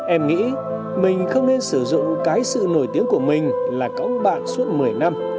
em nghĩ mình không nên sử dụng cái sự nổi tiếng của mình là cõng bạn suốt một mươi năm